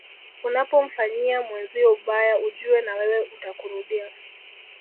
Unapomfanyia mwenzio ubaya ujue na wewe utakurudia